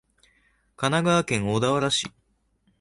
神奈川県小田原市